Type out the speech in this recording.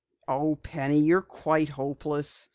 "Oh, Penny, you're quite hopeless!"